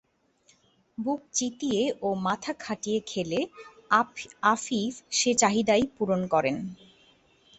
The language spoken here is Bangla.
বুক চিতিয়ে ও মাথা খাটিয়ে খেলে আফিফ সে চাহিদাই পূরণ করেন।